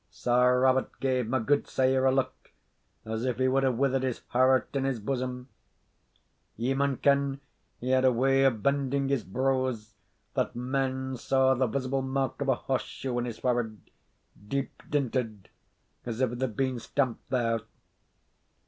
Sir Robert gave my gudesire a look, as if he would have withered his heart in his bosom. Ye maun ken he had a way of bending his brows that men saw the visible mark of a horseshoe in his forehead, deep dinted, as if it had been stamped there.